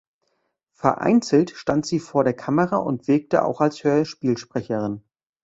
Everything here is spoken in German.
Vereinzelt stand sie vor der Kamera und wirkte auch als Hörspielsprecherin.